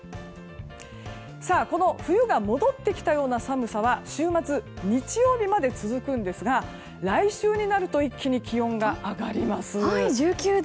この冬が戻ってきたような寒さは週末、日曜日まで続くんですが来週になると一気に気温が上がります。